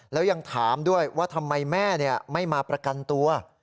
แล้วยังถามด้วยว่าทำไมแม่ไม่มาประกันตัว